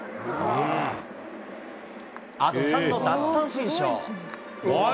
圧巻の奪三振ショー。